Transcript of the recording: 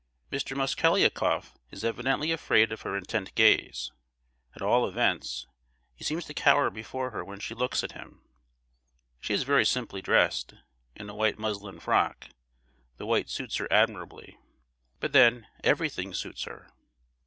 Mr. Mosgliakoff is evidently afraid of her intent gaze; at all events, he seems to cower before her when she looks at him. She is very simply dressed, in a white muslin frock—the white suits her admirably. But then, everything suits her!